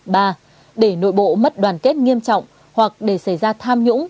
ba để nội bộ mất đoàn kết nghiêm trọng hoặc để xảy ra tham nhũng